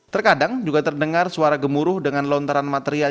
terkadang juga terdengar suara gemuruh dengan lontaran material